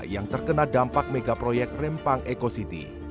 yang terkena dampak megaproyek rempang eco city